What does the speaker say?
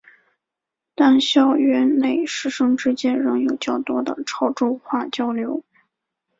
但校园内师生之间仍有较多的潮州话交流。